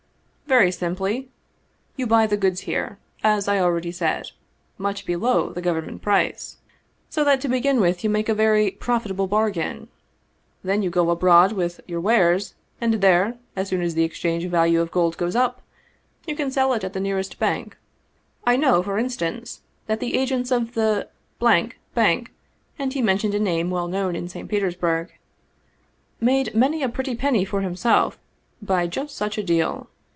" Very simply. You buy the goods here, as I already said, much below the government price. So that to begin with you make a very profitable bargain. Then you go abroad with your wares and there, as soon as the exchange value of gold goes up, you can sell it at the nearest bank. I know, for instance, that the agent of the Bank " (and he mentioned a name well known in St. Petersburg) " made many a pretty penny for himself by just such a deal.